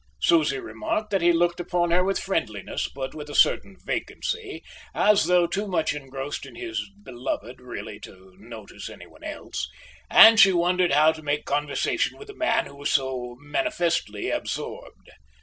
Susie remarked that he looked upon her with friendliness, but with a certain vacancy, as though too much engrossed in his beloved really to notice anyone else; and she wondered how to make conversation with a man who was so manifestly absorbed.